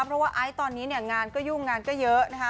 เพราะว่าไอซ์ตอนนี้เนี่ยงานก็ยุ่งงานก็เยอะนะคะ